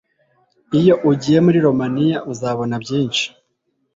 Iyo ugiye muri Romania uzabona byinshi